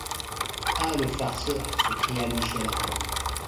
Ah! le farceur ! s’écria Michel Ardan.